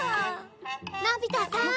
のび太さん。